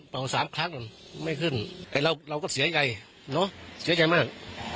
สามครั้งไม่ขึ้นแต่เราเราก็เสียใจเนอะเสียใจมาก